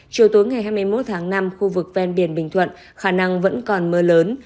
chiều tối ngày hai mươi một tháng năm khu vực ven biển bình thuận khả năng vẫn còn mưa lớn